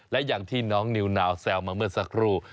และอย่างที่น้องนิวนาวแซวมาเมื่อสักครู่